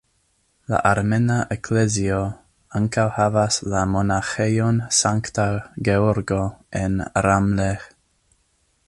La Armena Eklezio ankaŭ havas la monaĥejon Sankta Georgo en Ramleh.